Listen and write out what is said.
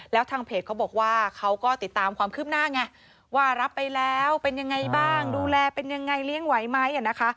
แล้วทางเพจเขาบอกว่าเขาก็ติดตามความคืบหน้าไงว่ารับไปแล้วเป็นยังไงบ้างดูแลเป็นยังไงเลี้ยงไหวไหมนะคะ